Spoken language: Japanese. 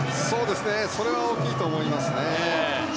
それは大きいと思いますね。